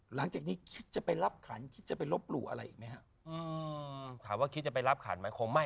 หลังจากนี้คิดจะไปรับขัน